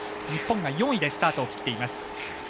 日本が４位でスタートを切っています。